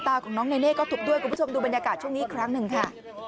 ตาของน้องเนเน่ก็ทุบด้วยคุณผู้ชมดูบรรยากาศช่วงนี้อีกครั้งหนึ่งค่ะ